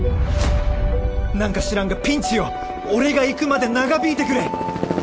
なんか知らんがピンチよ俺が行くまで長引いてくれ！